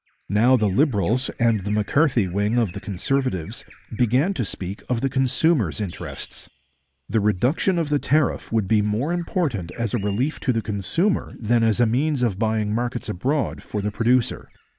Now the Liberals, and the M'Carthy wing of the Conservatives, began to speak of the consumer's interests. The reduction of the tariff would be more important as a relief to the consumer than as a means of buying markets abroad for the producer.